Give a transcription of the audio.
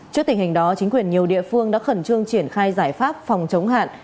trước tình hình đó chính quyền nhiều địa phương đã khẩn trương triển khai giải pháp phòng chống hạn